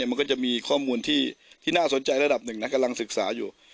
มันก็จะมีข้อมูลที่น่าสนใจระดับหนึ่งนะกำลังศึกษาอยู่